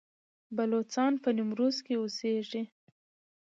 بلوڅان په نیمروز کې اوسیږي؟